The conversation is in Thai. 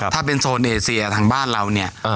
ถ้าเป็นโซนเอเซียทางบ้านเราเนี่ย